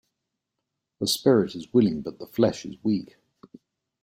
The spirit is willing but the flesh is weak.